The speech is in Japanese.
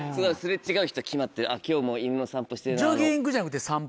擦れ違う人決まってる「あっ今日も犬の散歩してるな」。